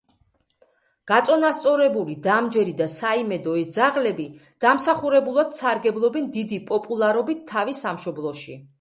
გაწონასწორებული, დამჯერი და საიმედო ეს ძაღლები დამსახურებულად სარგებლობენ დიდი პოპულარობით თავის სამშობლოში.